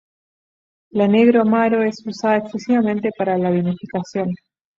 La negro amaro es usada exclusivamente para la vinificación.